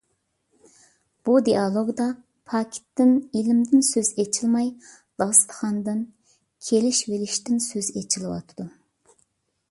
بۇ دېئالوگدا پاكىتتىن، ئىلىمدىن سۆز ئېچىلماي داستىخاندىن، كېلىشۋېلىشتىن سۆز ئىچىلىۋاتىدۇ.